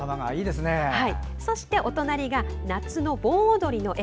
そしてお隣が夏の盆踊りの絵。